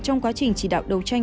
trong quá trình chỉ đạo đấu tranh